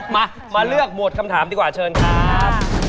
มามาเลือกหมดคำถามดีกว่าเชิญครับ